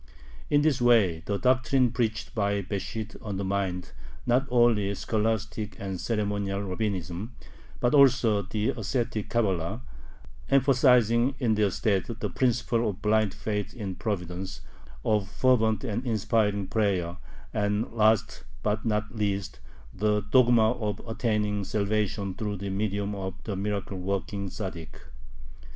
In this way the doctrine preached by Besht undermined not only scholastic and ceremonial Rabbinism, but also the ascetic Cabala, emphasizing in their stead the principle of blind faith in Providence, of fervent and inspiring prayer, and, last but not least, the dogma of attaining salvation through the medium of the miracle working Tzaddik.